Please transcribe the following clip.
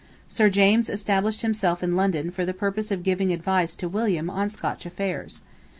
Sir James established himself in London for the purpose of giving advice to William on Scotch affairs.